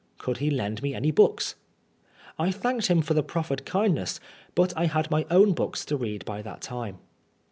Could he lend me any books ? I thanked him for the proffered kindness, but I had my own books to read by that time.